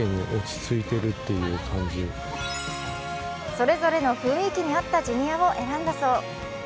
それぞれの雰囲気に合ったジュニアを選んだそう。